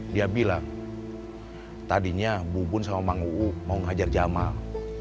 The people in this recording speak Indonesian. dia bilang tadinya bubun sama mang uu mau menghajar jamal